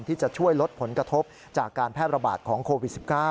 ที่จะช่วยลดผลกระทบจากการแพร่ระบาดของโควิด๑๙